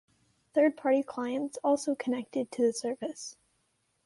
Third-party clients also connected to the service.